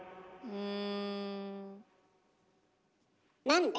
うん。